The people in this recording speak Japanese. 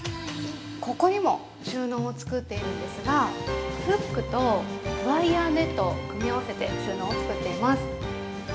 ここにも収納を作っているんですがフックとワイヤーネットを組み合わせて、収納を作っています。